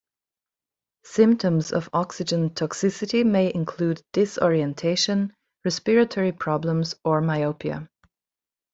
Symptoms of oxygen toxicity may include disorientation, respiratory problems, or myopia.